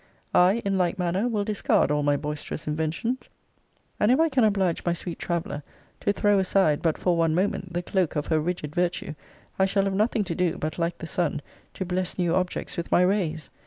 I, in like manner, will discard all my boisterous inventions: and if I can oblige my sweet traveller to throw aside, but for one moment, the cloak of her rigid virtue, I shall have nothing to do, but, like the sun, to bless new objects with my rays.